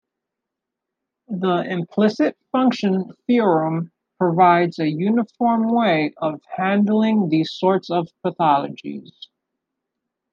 The implicit function theorem provides a uniform way of handling these sorts of pathologies.